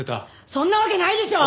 そんなわけないでしょ！